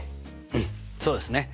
うんそうですね。